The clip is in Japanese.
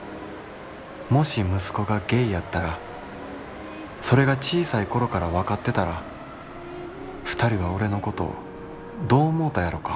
もし息子がゲイやったらそれが小さい頃から分かってたら二人は俺のことどう思うたやろか？」。